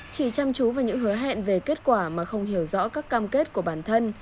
chỉ chăm chú vào những hứa hẹn về kết quả mà không hiểu rõ các cam kết của bản thân